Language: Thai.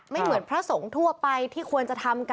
เหมือนพระสงฆ์ทั่วไปที่ควรจะทำกัน